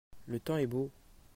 Le temps est beau.